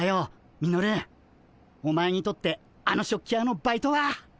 ミノルお前にとってあの食器屋のバイトは。